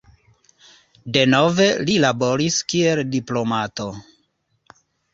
Denove li laboris kiel diplomato.